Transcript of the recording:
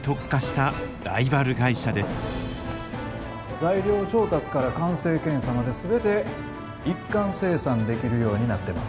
材料調達から完成検査まで全て一貫生産できるようになってますんで。